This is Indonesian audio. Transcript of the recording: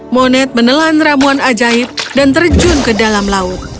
moned menelan ramuan ajaib dan terjun ke dalam laut